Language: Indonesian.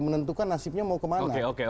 menentukan nasibnya mau kemana